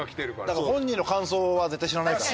だから本人の感想は絶対知らないから。